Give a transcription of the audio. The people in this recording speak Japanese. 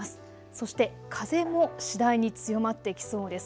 そして風も次第に強まってきそうです。